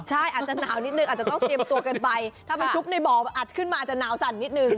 ใช่อาจจะหนาวนิดนึงอาจจะต้องเตรียมตัวกันไปถ้ามันชุบในบ่ออัดขึ้นมาอาจจะหนาวสั่นนิดนึง